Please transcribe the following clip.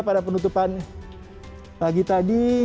pada penutupan pagi tadi